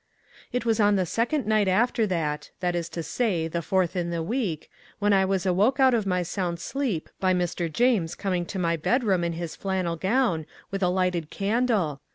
It was on the second night after that—that is to say, the fourth in the week—when I was awoke out of my sound sleep by Mr. James coming into my bedroom in his flannel gown, with a lighted candle.